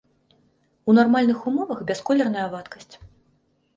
У нармальных умовах бясколерная вадкасць.